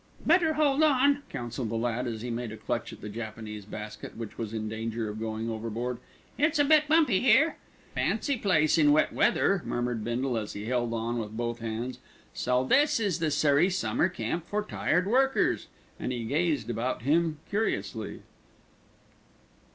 "Better hold on," counselled the lad, as he made a clutch at the Japanese basket, which was in danger of going overboard. "It's a bit bumpy here." "Fancy place in wet weather," murmured Bindle, as he held on with both hands. "So this is the Surrey Summer Camp for Tired Workers," and he gazed about him curiously.